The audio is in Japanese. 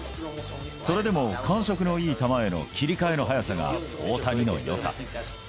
それでも感触のいい球への切り替えの早さが大谷のよさ。